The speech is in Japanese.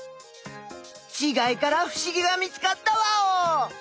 ちがいからふしぎが見つかったワオ！